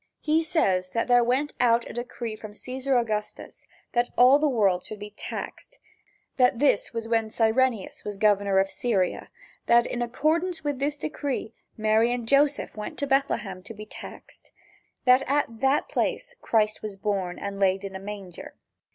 He says that there went out a decree from Cæsar Augustus that all the world should be taxed; that this was when Cyrenius was governor of Syria; that in accordance with this decree, Joseph and Mary went to Bethlehem to be taxed; that at that place Christ was born and laid in a manger.